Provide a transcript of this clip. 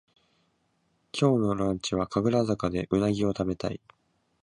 今日のランチは神楽坂でうなぎをたべたい